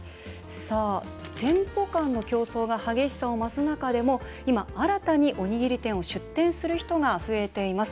店舗間の競争が激しさを増す中でも今、新たにおにぎり店を出店する人が増えています。